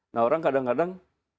nah orang kadang kadang